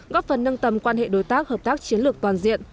góp phần nâng tầm quan hệ đối tác hợp tác chiến lược toàn diện